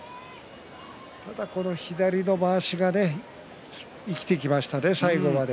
ただこの左のまわしがね生きてきましたね、最後まで。